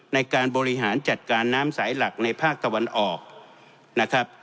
ในการบริหารจัดการน้ำสายหลักในภาคตะวันออกนะครับ